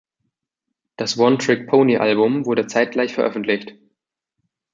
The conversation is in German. Das „One-Trick Pony“-Album wurde zeitgleich veröffentlicht.